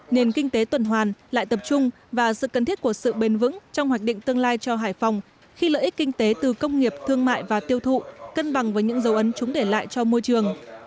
nền kinh tế tuần hoàn lại tập trung và sự cần thiết của sự bền vững trong hoạch định tương lai cho hải phòng khi lợi ích kinh tế từ công nghiệp thương mại và tiêu thụ cân bằng với những dấu ấn chúng để lại cho môi trường